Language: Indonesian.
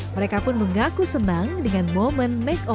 mereka pun mengaku senang dengan momennya